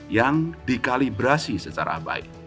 yang dikalibrasi secara baik